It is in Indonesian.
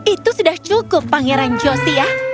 itu sudah cukup pangeran josiah